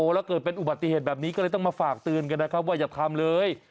แล้วเกิดเป็นอุบัติเหตุแบบนี้ก็เลยต้องมาฝากเตือนกันนะครับว่าอย่าทำเลย